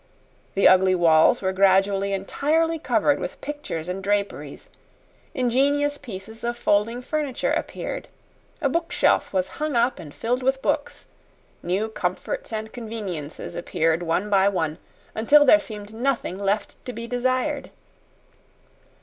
The ugly walls were gradually entirely covered with pictures and draperies, ingenious pieces of folding furniture appeared, a bookshelf was hung up and filled with books, new comforts and conveniences appeared one by one, until there seemed nothing left to be desired.